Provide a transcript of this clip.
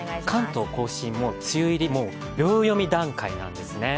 関東甲信、梅雨入りが秒読み段階なんですね。